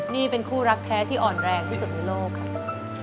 นี่เป็นคู่รักแท้ที่อ่อนแรงที่สุดในโลกค่ะ